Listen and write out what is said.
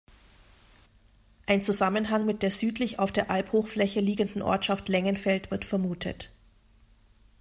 Ein Zusammenhang mit der südlich auf der Albhochfläche liegenden Ortschaft Lengenfeld wird vermutet.